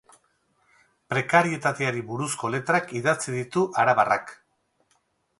Prekarietateari buruzko letrak idatzi ditu arabarrak.